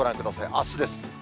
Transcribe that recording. あすです。